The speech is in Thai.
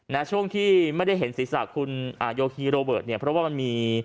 นะช่วงที่ไม่ได้เห็นศีรษะคุณโยคีโรเบิร์ตเนี่ยเพราะว่ามันมี